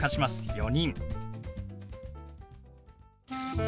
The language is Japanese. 「４人」。